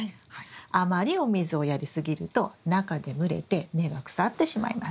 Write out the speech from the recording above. あまりお水をやり過ぎると中で蒸れて根が腐ってしまいます。